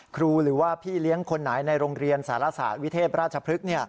หรือว่าพี่เลี้ยงคนไหนในโรงเรียนสารศาสตร์วิเทพราชพฤกษ์